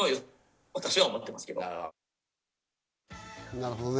なるほどね。